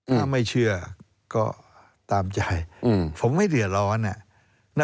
ถ้าไม่เชื่อก็ตามใจผมไม่เดือดร้อน